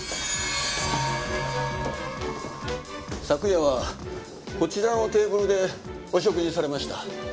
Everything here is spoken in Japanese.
昨夜はこちらのテーブルでお食事されました。